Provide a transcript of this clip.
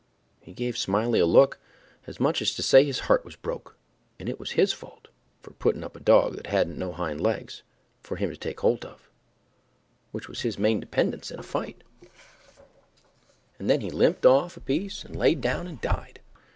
He gave Smiley a look, as much as to say his heart was broke, and it was his fault, for putting up a dog that hadn't no hind legs for him to take holt of, which was his main dependence in a fight, and then he limped off a piece and laid down and died.